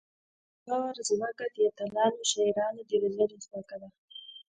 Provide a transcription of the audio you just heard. د غور ځمکه د اتلانو او شاعرانو د روزلو ځمکه ده